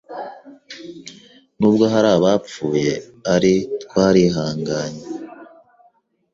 Nubwo hari abapfuye ari twarihanganye